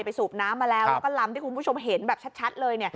สูบน้ำมาแล้วแล้วก็ลำที่คุณผู้ชมเห็นแบบชัดเลย